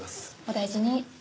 お大事に。